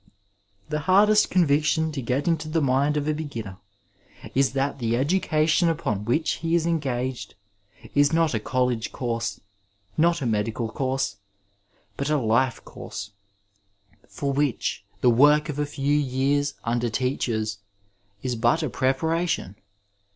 The hardest conviction to get into the mind of a beginner is that the education upon which he is engaged is not a college course, not a medical course, but a life course, for which the work of a few years under teachers is but a preparation.